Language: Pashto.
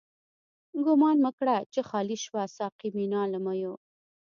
ګومان مه کړه چی خالی شوه، ساقی مينا له ميو